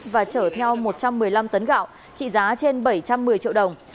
và chở theo một trăm một mươi năm tấn gạo trị giá trên bảy trăm một mươi triệu đồng